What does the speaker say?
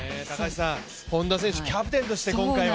本多選手、キャプテンとして今回は。